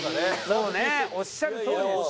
そうねおっしゃるとおりです。